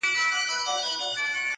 د حق د لېونیو نندارې ته ځي وګري.!